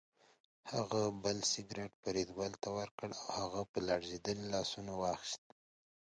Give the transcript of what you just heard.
هغه بل سګرټ فریدګل ته ورکړ او هغه په لړزېدلو لاسونو واخیست